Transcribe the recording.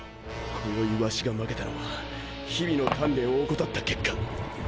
今宵ワシが負けたのは日々の鍛錬を怠った結果。